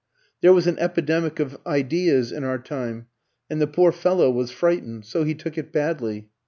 There was an epidemic of ideas in our time, and the poor fellow was frightened, so he took it badly.